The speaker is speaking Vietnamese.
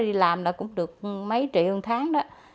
cá nó đi làm là cũng được mấy triệu một tháng đó